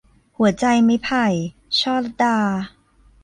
หัวใจไม้ไผ่ - ช่อลัดา